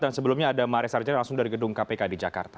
dan sebelumnya ada maria sarjana langsung dari gedung kpk di jakarta